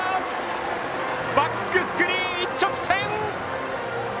バックスクリーン一直線！